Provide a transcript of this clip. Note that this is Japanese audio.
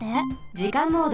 じかんモード。